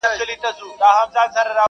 او تر نني ورځي پوري -